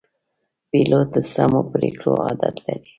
پیلوټ د سمو پرېکړو عادت لري.